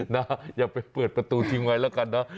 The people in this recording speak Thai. นะอย่าไปเปิดประตูที่ไหนละกันนะ